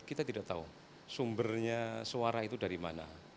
kita tidak tahu sumbernya suara itu dari mana